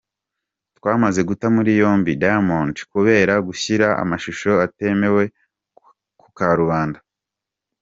Twamaze guta muri yombi Diamond, kubera gushyira amashusho atemewe ku karubanda.